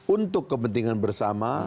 untuk kepentingan bersama